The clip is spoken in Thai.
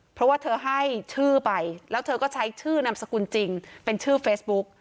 เพราะว่าเธอให้ชื่อไปแล้วเธอก็ใช้ชื่อนามสกุลจริงเป็นชื่อเฟซบุ๊ก